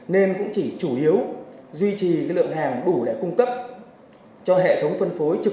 nên cũng chỉ chủ yếu